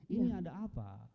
ini ada apa